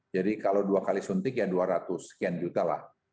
jadi kalau dua kali suntik ya dua ratus sekian juta lah